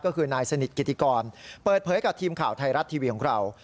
ก็คือนายสนิทกิติกรเปิดเผยกับทีมข่าวไทยรัฐทีวีของเรา